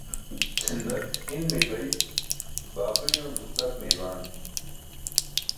Cʰindak hin meeybay, baaqi uyoon duscak meeybaan.